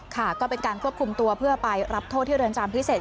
ค่ะก็เป็นการควบคุมตัวเพื่อไปรับโทษที่เรือนจำพิเศษ